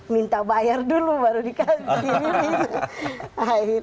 minta bayar dulu baru dikasih dulu